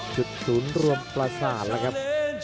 ศูนย์รวมประสาทแล้วครับ